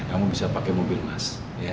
kamu bisa pakai mobil mas